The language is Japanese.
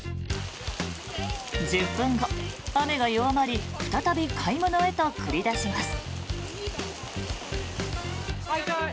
１０分後、雨が弱まり再び買い物へと繰り出します。